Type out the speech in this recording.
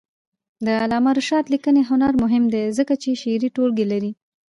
د علامه رشاد لیکنی هنر مهم دی ځکه چې شعري ټولګې لري.